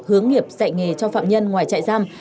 hướng nghiệp dạy nghề cho phạm nhân ngoài trại giam